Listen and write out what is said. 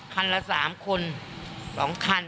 คนละ๓คน๒คัน